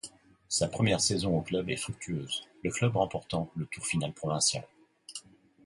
Sa première saison au club est fructueuse, le club remportant le tour final provincial.